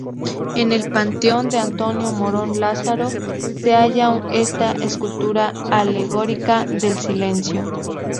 En el panteón de Antonio Morón Lázaro se halla esta escultura alegórica del silencio.